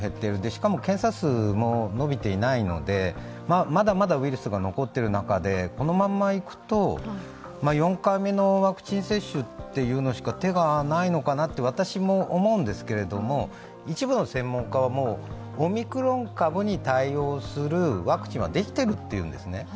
しかも検査数も伸びていないのでまだまだウイルスが残ってる中でこのままいくと、４回目のワクチン接種というのしか手がないのかなと、私も思うんですけれども一部の専門家は、もうオミクロン株に対応するワクチンはできてるって言うんですね。